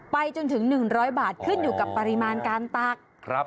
ไปจนถึงหนึ่งร้อยบาทขึ้นอยู่กับปริมาณการตักครับ